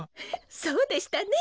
そうでしたね。